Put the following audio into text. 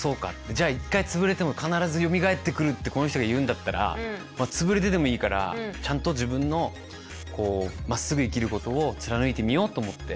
じゃあ一回つぶれても必ずよみがえってくるってこの人が言うんだったらつぶれてでもいいからちゃんと自分のこうまっすぐ生きることを貫いてみようと思って。